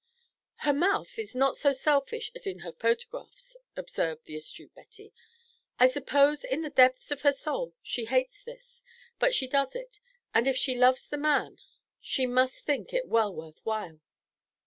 "Her mouth is not so selfish as in her photographs," observed the astute Betty. "I suppose in the depths of her soul she hates this, but she does it; and if she loves the man, she must think it well worth while."